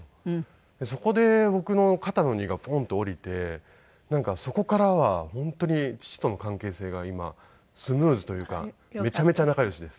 そこで僕の肩の荷がポンって下りてそこからは本当に父との関係性が今スムーズというかめちゃめちゃ仲良しです。